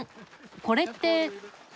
これって。